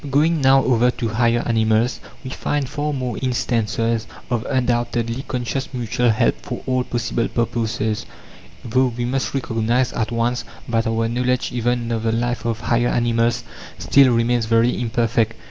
Going now over to higher animals, we find far more instances of undoubtedly conscious mutual help for all possible purposes, though we must recognize at once that our knowledge even of the life of higher animals still remains very imperfect.